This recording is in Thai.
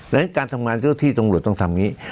ดังนั้นการทำงานที่ตำรวจต้องทำงี้